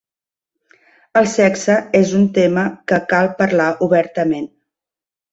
El sexe és un tema que cal parlar obertament.